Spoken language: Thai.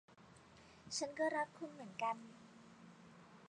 ฉันก็รักคุณเหมือนกัน